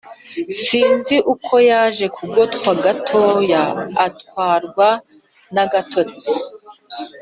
sinzi uko yaje kugotwa gato afatwa nagatotsi